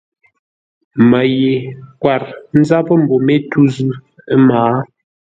Mə́ ye kwâr ńzápə́ mbô mé tû zʉ́, ə́ mǎa.